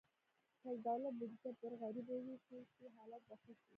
که د دولت بودیجه پر غریبو ووېشل شي، حالت به ښه شي.